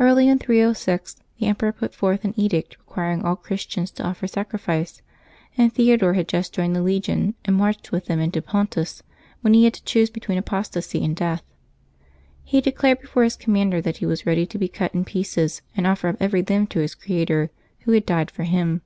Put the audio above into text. Early in 306 the emperor put forth an edict requiring all Christians to offer sacrifice, and Theodore had just joined the legion and marched with them into Pontus, when he had to choose between apostasy and death. He declared before his commander that he was ready to be cut in pieces and offer up every limb to his Creator, Who had died for him.